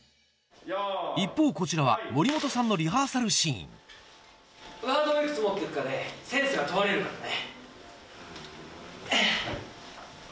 一方こちらは森本さんのリハーサルシーンワードをいくつ持っておくかでセンスが問われるからね。